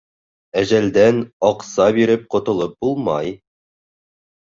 Әжәлдән аҡса биреп ҡотолоп булмай.